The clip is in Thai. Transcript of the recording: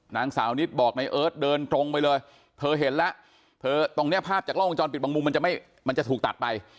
นางสาวนิดบอกในเอิร์ทเดินตรงไปเลยเธอเห็นแล้วเธอตรงนี้ภาพจากล้องวงจรปิดบางมุมมันจะไม่มันจะถูกตัดไป